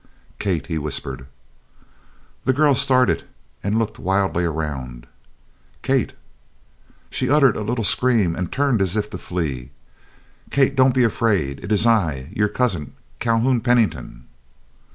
"Kate!" he whispered. The girl started and looked wildly around. "Kate!" She uttered a little scream and turned as if to flee. "Kate, don't be afraid. It is I, your cousin Calhoun Pennington."